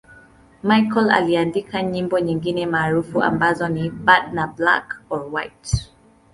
Michael aliandika nyimbo nyingine maarufu ambazo ni 'Bad' na 'Black or White'.